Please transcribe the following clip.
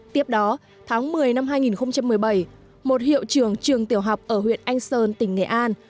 tiếp đó tháng một mươi năm hai nghìn một mươi bảy một hiệu trường trường tiểu học ở huyện anh sơn tỉnh nghệ an